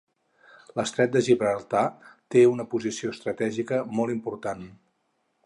L'estret de Gibraltar té una posició estratègica molt important.